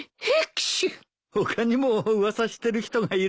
他にも噂してる人がいるみたいだね。